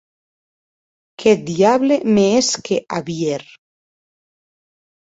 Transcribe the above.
Qu’eth diable me hesque a vier!